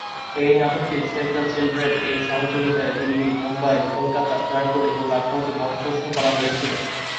এই নাটকটি "Save the Children" এর সহযোগিতায় দিল্লি, মুম্বই, কলকাতা, জয়পুর এবং লখনউতে মঞ্চস্থ করা হয়েছিল।